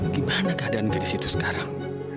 gimana keadaan gadis itu sekarang